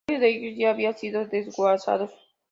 Varios de ellos ya han sido desguazados.